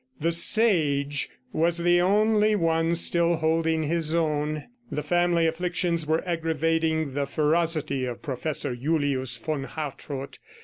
The "sage" was the only one still holding his own. The family afflictions were aggravating the ferocity of Professor Julius von Hartrott.